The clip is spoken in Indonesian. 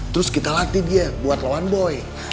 terus kita latih dia buat lawan boy